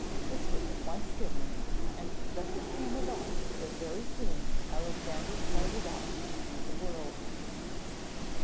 This was at once given, and thus it came about that very soon Alexander started off to see the world.